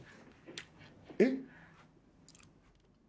えっ？